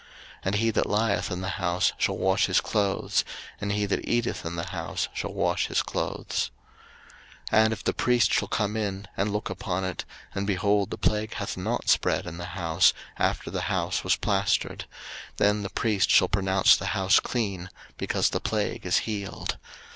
03:014:047 And he that lieth in the house shall wash his clothes; and he that eateth in the house shall wash his clothes. 03:014:048 And if the priest shall come in, and look upon it, and, behold, the plague hath not spread in the house, after the house was plaistered: then the priest shall pronounce the house clean, because the plague is healed.